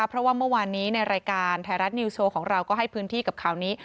เพราะว่าเมื่อวานนี้ในรายการไทยรัฐนิวโชว์ของเราก็ให้พื้นที่กับข่าวนี้